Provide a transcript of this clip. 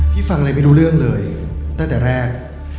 ฟังอะไรไม่รู้เรื่องเลยตั้งแต่แรก